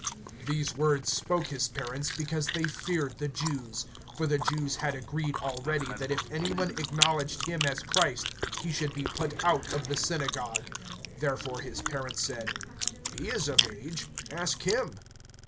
(22)These words spoke his parents, because they feared the Jews; for the Jews had agreed already, that if any one acknowledged him as Christ, he should be put out of the synagogue. (23)Therefore his parents said: He is of age; ask him.